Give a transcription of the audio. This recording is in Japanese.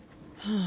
ああ。